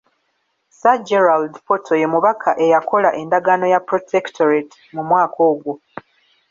Sir Gerald Portal ye Mubaka eyakola Endagaano ya Protectorate mu mwaka ogwo.